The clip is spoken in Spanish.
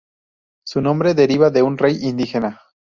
Su nombre deriva de un rey indígena.